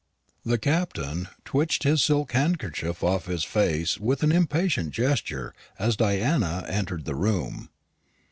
The Captain twitched his silk handkerchief off his face with an impatient gesture as Diana entered the room.